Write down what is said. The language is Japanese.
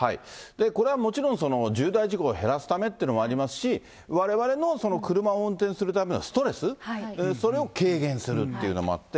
これはもちろん、重大事故を減らすためっていうのもありますし、われわれの車を運転するためのストレス、それを軽減するっていうのもあって。